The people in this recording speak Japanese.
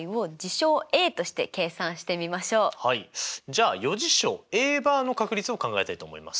じゃあ余事象Ａバーの確率を考えたいと思います。